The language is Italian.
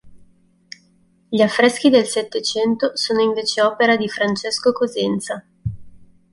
Gli affreschi del Settecento sono invece opera di Francesco Cosenza.